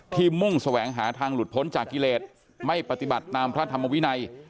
มุ่งแสวงหาทางหลุดพ้นจากกิเลสไม่ปฏิบัติตามพระธรรมวินัย